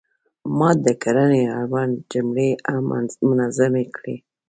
ما د کرنې اړوند جملې هم منظمې کړې.